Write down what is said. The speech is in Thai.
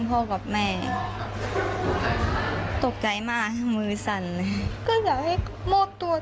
ประตู๓ครับ